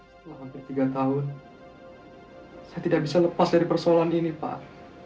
setelah hampir tiga tahun saya tidak bisa lepas dari persoalan ini pak